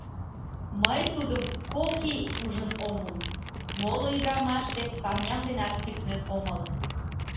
Мый тудым кок ий ужын ом ул, моло ӱдырамаш дек парням денат тӱкнен омыл...